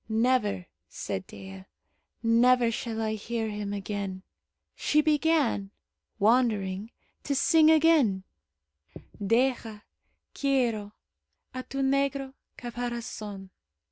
"Never," said Dea, "never shall I hear him again." She began, wandering, to sing again: "Deja, quiero, A tu negro Caparazon."